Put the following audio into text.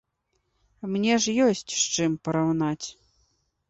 Мне ж ёсць з чым параўнаць.